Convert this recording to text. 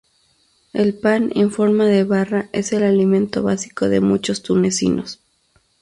El pan en forma de barra es el alimento básico de muchos tunecinos.